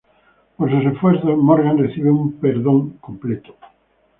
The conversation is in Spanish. Por sus esfuerzos, Morgan recibe un perdón completo.